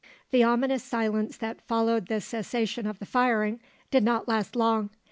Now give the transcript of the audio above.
The ominous silence that followed the cessation of the firing did not last long.